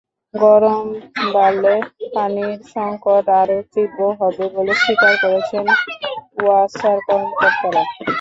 গরম বাড়লে পানির সংকট আরও তীব্র হবে বলে স্বীকার করেছেন ওয়াসার কর্মকর্তারা।